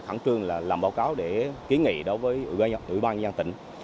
thẳng trương là làm báo cáo để ký nghị đối với ủy ban nhân dân tỉnh